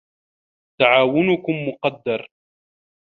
تعاونكم مقدر